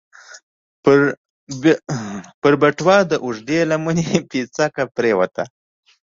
پر بټوه د اوږدې لمنې پيڅکه پرېوته.